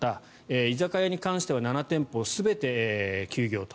居酒屋に関しては７店舗全て休業と。